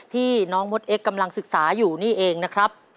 ที่น้องมดเอ็กซกำลังศึกษาอยู่นี่เองนะครับ